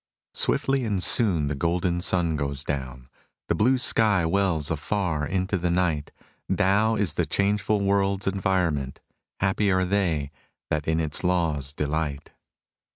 '* Swiftly and soon the golden sun goes down, The blue sky wells afar into the night; Tao is the changeful world's environment, Happy are they that in its laws delight.